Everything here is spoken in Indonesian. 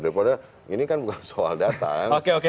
ini bukan soal data